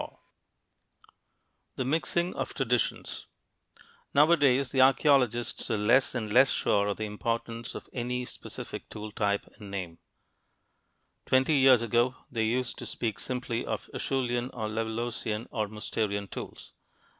[Illustration: LEVALLOIS FLAKE] THE MIXING OF TRADITIONS Nowadays the archeologists are less and less sure of the importance of any one specific tool type and name. Twenty years ago, they used to speak simply of Acheulean or Levalloisian or Mousterian tools.